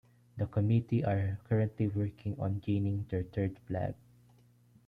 The committee are currently working on gaining their third flag.